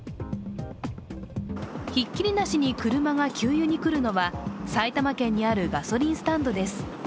ひっきりなしに車が給油に来るのは埼玉県にあるガソリンスタンドです。